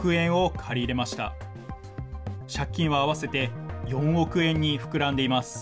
借金は合わせて４億円に膨らんでいます。